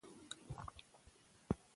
که ماوس وي نو هدف نه خطا کیږي.